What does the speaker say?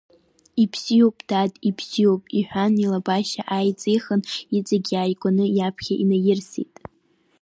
Ибзиоуп, дад, ибзиоуп, — иҳәан, илабашьа ааиҵихын, иҵегь иааигәаны иаԥхьа инаирсит.